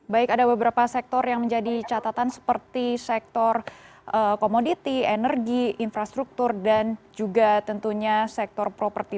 baik ada beberapa sektor yang menjadi catatan seperti sektor komoditi energi infrastruktur dan juga tentunya sektor properti